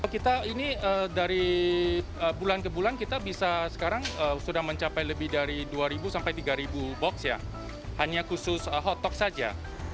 kita ini dari bulan ke bulan kita bisa sekarang sudah mencapai lebih dari dua sampai tiga box ya hanya khusus hottock saja